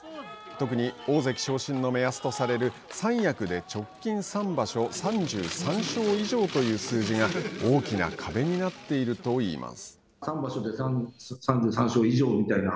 特に、大関昇進の目安とされる三役で直近三場所３３勝以上という数字が大きな壁になっているといいます。